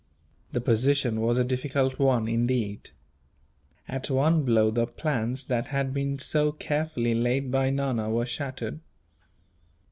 The position was a difficult one, indeed. At one blow, the plans that had been so carefully laid by Nana were shattered.